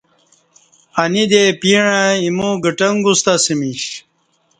انی دے پیݩع ایمو گٹݣ گوستہ اسمیش